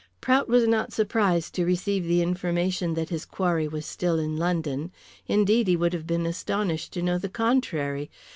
Prout was not surprised to receive the information that his quarry was still in London; indeed, he would have been astonished to know the contrary.